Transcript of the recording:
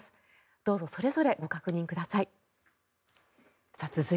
どうぞそれぞれご確認ください。